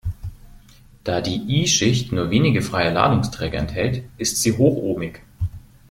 Da die i-Schicht nur wenige freie Ladungsträger enthält, ist sie hochohmig.